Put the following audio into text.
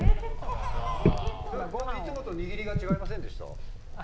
いつもと握りが違いませんでした？